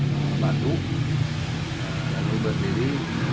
dia bantuk lalu berdiri